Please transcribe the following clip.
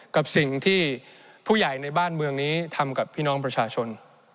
กับสิ่งที่ผู้ใหญ่ในบ้านเมืองนี้ทำกับพี่น้องประชาชน